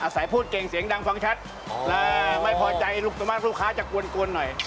สายพูดเก่งเสียงดังฟังชัดไม่พอใจลูกส่วนมากลูกค้าจะกวนหน่อย